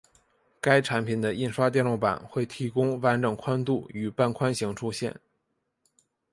该产品的印刷电路板会提供完整宽度与半宽型出现。